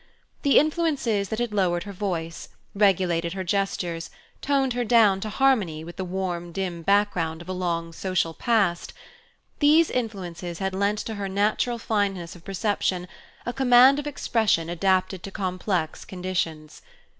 The influences that had lowered her voice, regulated her gestures, toned her down to harmony with the warm dim background of a long social past these influences had lent to her natural fineness of perception a command of expression adapted to complex conditions.